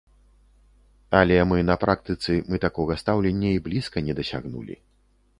Але мы на практыцы мы такога стаўлення і блізка не дасягнулі.